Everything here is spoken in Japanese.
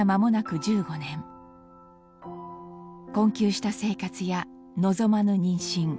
困窮した生活や望まぬ妊娠。